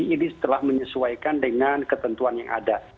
ini telah menyesuaikan dengan ketentuan yang ada